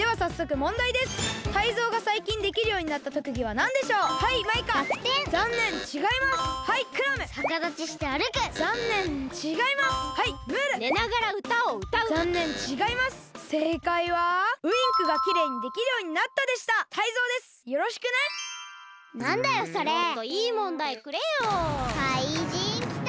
もっといい問題くれよ！かいじんきた！